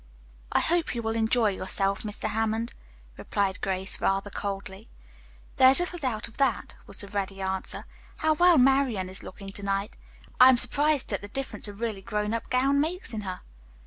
"I hope you will enjoy yourself, Mr. Hammond," replied Grace rather coldly. "There is little doubt of that," was the ready answer. "How well Marian is looking to night. I am surprised at the difference a really grown up gown makes in her."